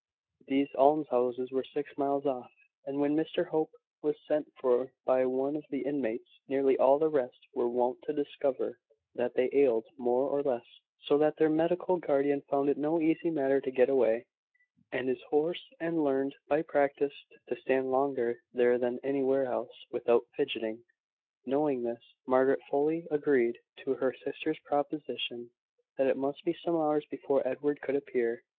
These almshouses were six miles off; and when Mr Hope was sent for by one of the inmates, nearly all the rest were wont to discover that they ailed more or less; so that their medical guardian found it no easy matter to get away, and his horse had learned, by practice, to stand longer there than anywhere else without fidgeting. Knowing this, Margaret fully agreed to her sister's proposition, that it must be some hours before Edward could appear.